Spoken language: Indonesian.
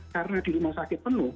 karena di rumah sakit penuh